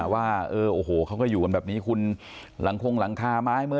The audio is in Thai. ว่าเขาก็อยู่แบบนี้คุณหลังคงหลังคาไหม